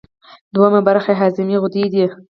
دویمه برخه یې هضمي غدې دي.